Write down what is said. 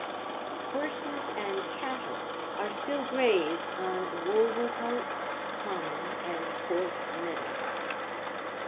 Horses and cattle are still grazed on Wolvercote Common and Port Meadow.